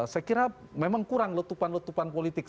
saya kira memang kurang letupan letupan politik